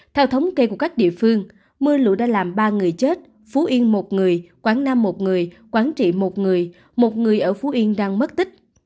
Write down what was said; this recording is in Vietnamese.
theo thống kê của các địa phương mưa lũ đã làm ba người chết phú yên một người quảng nam một người quảng trị một người một người ở phú yên đang mất tích